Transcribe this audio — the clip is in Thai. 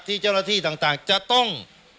ที่เจ้าหน้าที่ต่างจะต้อง